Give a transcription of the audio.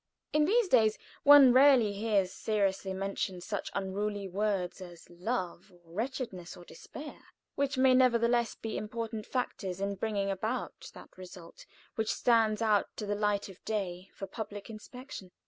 In these days one rarely hears seriously mentioned such unruly words as 'Love,' or 'Wretchedness,' or 'Despair,' which may nevertheless be important factors in bringing about that result which stands out to the light of day for public inspection."